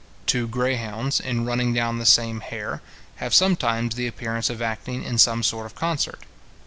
Two greyhounds, in running down the same hare, have sometimes the appearance of acting in some sort of concert.